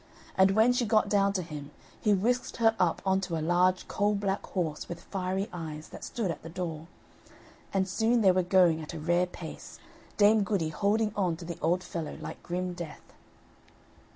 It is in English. And when she got down to him, he whisked her up on to a large coal black horse with fiery eyes, that stood at the door; and soon they were going at a rare pace, Dame Goody holding on to the old fellow like grim death.